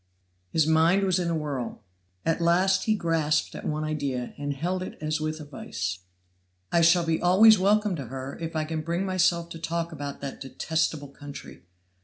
His mind was in a whirl. At last he grasped at one idea, and held it as with a vise. "I shall be always welcome to her if I can bring myself to talk about that detestable country.